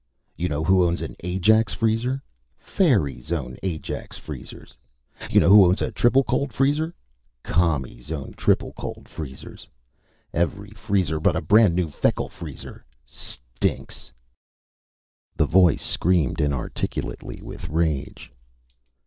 You know who owns an Ajax Freezer? Fairies own Ajax Freezers! You know who owns a Triplecold Freezer? Commies own Triplecold Freezers! Every freezer but a brand new Feckle Freezer stinks!" The voice screamed inarticulately with rage.